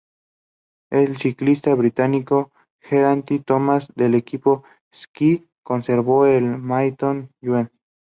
El ciclista británico Geraint Thomas del equipo Sky conservó el "maillot jaune".